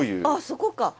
ああそこか。